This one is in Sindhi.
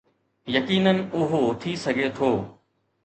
يقينن اهو ٿي سگهي ٿو